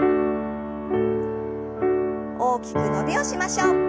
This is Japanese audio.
大きく伸びをしましょう。